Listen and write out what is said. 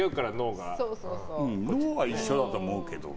脳は一緒だと思うけどね。